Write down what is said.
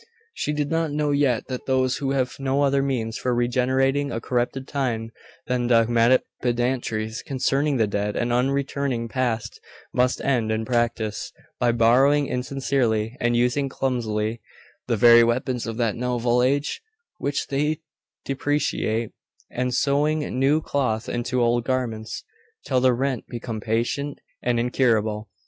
She did not know yet that those who have no other means for regenerating a corrupted time than dogmatic pedantries concerning the dead and unreturning past, must end, in practice, by borrowing insincerely, and using clumsily, the very weapons of that novel age which they deprecate, and 'sewing new cloth into old garments,' till the rent become patent and incurable.